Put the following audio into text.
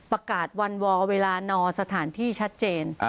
ประกาศวันวอลเวลานอสถานที่ชัดเจน